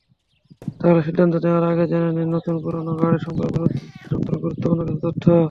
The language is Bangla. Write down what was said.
তাহলে সিদ্ধান্ত নেওয়ার আগে জেনে নিন নতুন-পুরোনো গাড়ি সম্পর্কে গুরুত্বপূর্ণ কিছু তথ্য।